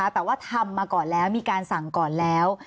แต่ว่าทำมาก่อนแล้วมีการสั่งก่อนแล้ว